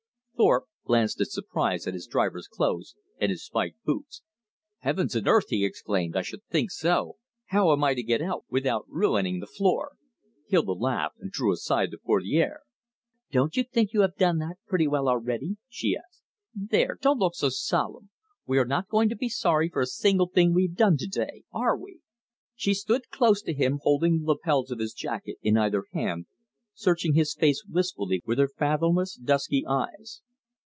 Thorpe glanced in surprise at his driver's clothes, and his spiked boots. "Heavens and earth!" he exclaimed, "I should think so! How am I to get out without ruining the floor?" Hilda laughed and drew aside the portiere. "Don't you think you have done that pretty well already?" she asked. "There, don't look so solemn. We're not going to be sorry for a single thing we've done today, are we?" She stood close to him holding the lapels of his jacket in either hand, searching his face wistfully with her fathomless dusky eyes.